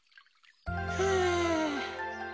はあ。